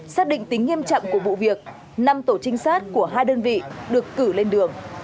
xác định tính nghiêm trọng của vụ việc năm tổ trinh sát của hai đơn vị được cử lên đường